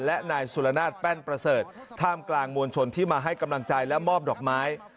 และนายสุรนาศแป้นประเสริฐท่ามกลางมวลชนที่มาให้กำลังใจและมอบดอกไม้